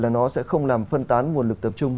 là nó sẽ không làm phân tán nguồn lực tập trung